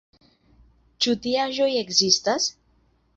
Ĉu tiaĵoj ekzistas?